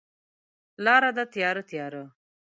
لاره ده تیاره، تیاره